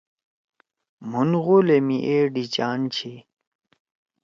مُھن غولے می اے ڈھیچان چھی۔